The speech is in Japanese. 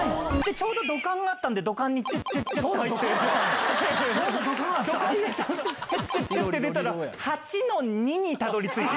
ちょうど土管があったん⁉チュチュチュって出たら。